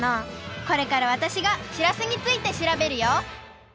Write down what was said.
これからわたしがしらすについてしらべるよ！